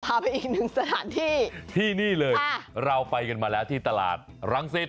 พาไปอีกหนึ่งสถานที่ที่นี่เลยเราไปกันมาแล้วที่ตลาดรังสิต